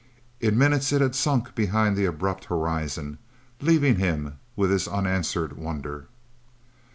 In minutes it had sunk behind the abrupt horizon, leaving him with his unanswered wonder.